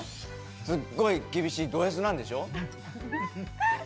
すごい厳しいドＳなんでしょう？